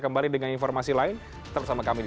kembali dengan informasi lain tetap bersama kami di